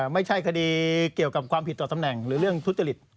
ไม่ใช่คดีเกี่ยวกับความผิดต่อตำแหน่งหรือเรื่องทุจริต